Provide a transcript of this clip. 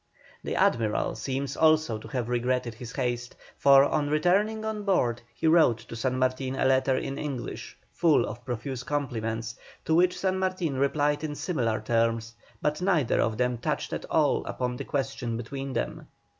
The Admiral seems also to have regretted his haste, for on returning on board he wrote to San Martin a letter in English, full of profuse compliments, to which San Martin replied in similar terms, but neither of them touched at all upon the question between them.